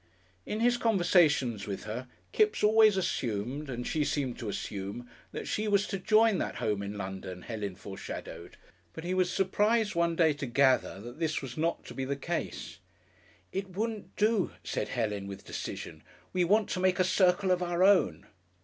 In his conversations with her Kipps always assumed, and she seemed to assume, that she was to join that home in London Helen foreshadowed, but he was surprised one day to gather that this was not to be the case. "It wouldn't do," said Helen, with decision. "We want to make a circle of our own."